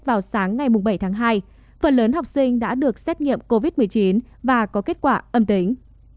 vào sáng ngày bảy tháng hai phần lớn học sinh đã được xét nghiệm covid một mươi chín và có kết quả âm tính